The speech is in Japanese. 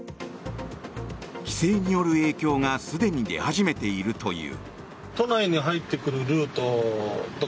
規制による影響がすでに出始めているという。